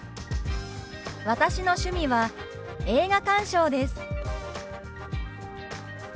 「私の趣味は映画鑑賞です」。